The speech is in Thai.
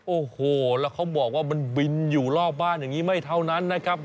โอ้โหแล้วเขาบอกว่ามันบินอยู่รอบบ้านอย่างนี้ไม่เท่านั้นนะครับ